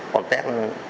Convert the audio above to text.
con tét nó